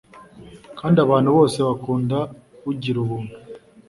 kandi abantu bose bakunda ugira ubuntu